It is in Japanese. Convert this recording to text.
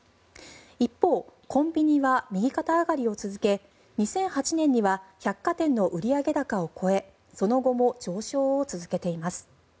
一方、コンビニは右肩上がりを続け２００８年には百貨店の売上高を超えその後も上昇を続けています。